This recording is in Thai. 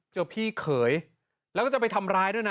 เจอพี่เขยแล้วก็จะไปทำร้ายด้วยนะ